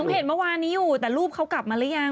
เห็นเมื่อวานนี้อยู่แต่รูปเขากลับมาหรือยัง